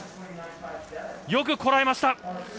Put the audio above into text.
よくこらえました。